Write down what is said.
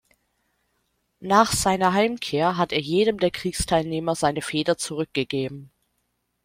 Nach seiner Heimkehr hat er jedem der Kriegsteilnehmer seine Feder zurückgegeben.